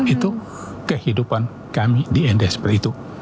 itu kehidupan kami di nd seperti itu